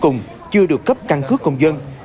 trường hợp cuối cùng chưa được cấp căn cước công dân